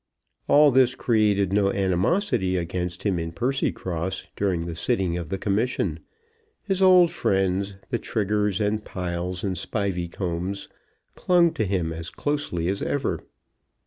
All this created no animosity against him in Percycross during the sitting of the Commission. His old friends, the Triggers, and Piles, and Spiveycombs, clung to him as closely as ever.